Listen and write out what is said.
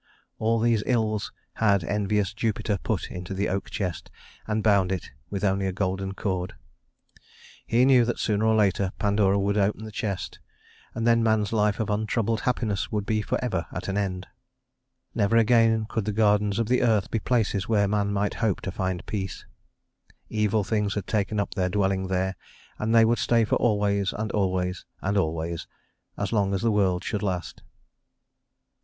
All these ills had envious Jupiter put into the oak chest, and bound it with only a golden cord. He knew that sooner or later Pandora would open the chest, and then man's life of untroubled happiness would be forever at an end. Never again could the gardens of the earth be places where man might hope to find peace. Evil things had taken up their dwelling there, and they would stay for always and always and always, as long as the world should last.